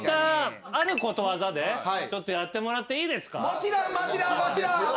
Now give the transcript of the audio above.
もちろんもちろんもちろん。